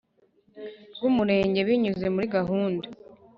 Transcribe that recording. rw umurenge binyuze muri gahunda